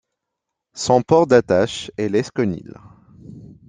Son port d'attache est Lesconil.